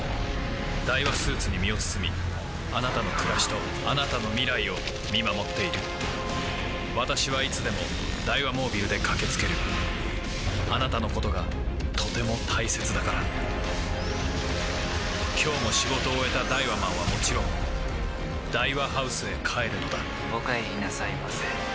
ダイワスーツに身を包みあなたの暮らしとあなたの未来を見守っている私はいつでもダイワモービルで駆け付けるあなたのことがとても大切だから今日も仕事を終えたダイワマンはもちろんダイワハウスへ帰るのだお帰りなさいませ。